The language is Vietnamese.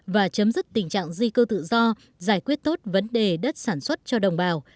và chấm dứt tình trạng di cư tự do giải quyết tốt vấn đề đất sản xuất cho đồng bào